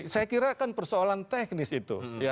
saya kira kan persoalan teknis itu